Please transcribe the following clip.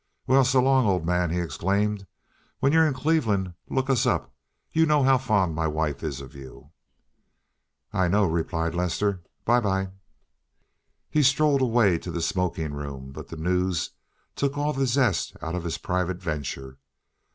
"Well, so long, old man," he exclaimed. "When you're in Cleveland look us up. You know how fond my wife is of you." "I know," replied Lester. "By by." He strolled away to the smoking room, but the news took all the zest out of his private venture.